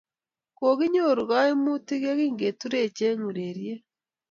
kokinyoru kaimutuk ye kingeturech eng' ureryet.